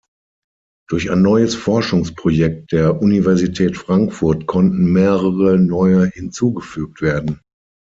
Durch ein neues Forschungsprojekt der Universität Frankfurt konnten mehrere neue hinzugefügt werden.